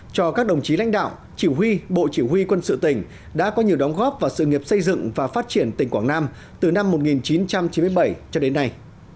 cho các đồng chí lãnh đạo chỉ huy bộ chỉ huy quân sự tỉnh đã có nhiều đóng góp vào sự nghiệp xây dựng và phát triển tỉnh quảng nam từ năm một nghìn chín trăm chín mươi bảy cho đến nay